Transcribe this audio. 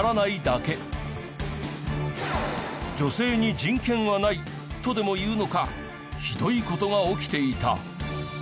女性に人権はないとでもいうのかひどい事が起きていた。